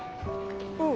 うん。